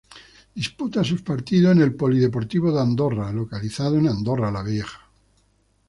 Disputa sus partidos en el Polideportivo D'Andorra localizado en Andorra La Vieja.